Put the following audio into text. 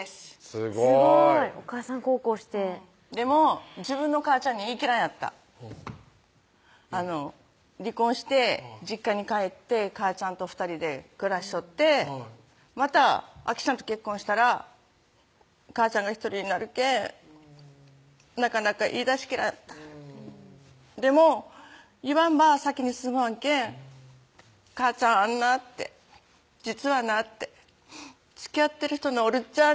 すごいすごいおかあさん孝行してでも自分の母ちゃんに言いきらんやったあの離婚して実家に帰って母ちゃんと２人で暮らしちょってまたあきちゃんと結婚したら母ちゃんが独りになるけんなかなか言いだしきらんやったでも言わんば先に進まんけん「母ちゃんあんな」って「実はな」って「つきあってる人のおるっちゃん」